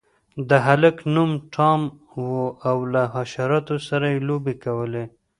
د هلک نوم ټام و او له حشراتو سره یې لوبې کولې.